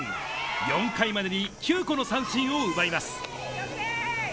４回までに９個の三振を奪います。